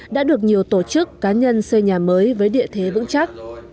đã được nhiều tổ chức cá nhân xây nhà mới với địa thế vững chắc